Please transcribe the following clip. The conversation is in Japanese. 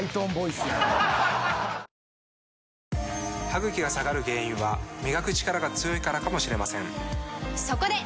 歯ぐきが下がる原因は磨くチカラが強いからかもしれませんそこで！